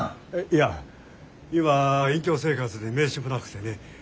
いや今は隠居生活で名刺もなくてね。